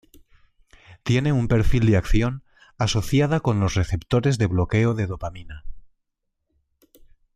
Tiene un perfil de acción asociada con los receptores de bloqueo de dopamina.